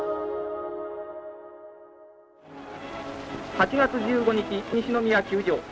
８月１５日西宮球場。